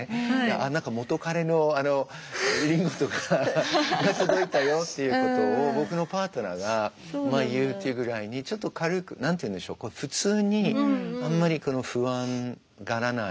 何か元彼のリンゴとかが届いたよっていうことを僕のパートナーが言うっていうぐらいにちょっと軽く何て言うんでしょう普通にあんまり不安がらない。